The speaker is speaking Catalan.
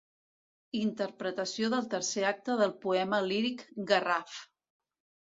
Interpretació del tercer acte del poema líric Garraf.